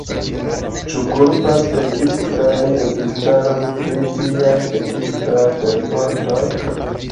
Ĉu kulpas dekstraj registaroj pri tiaj dekstraj perfortoj?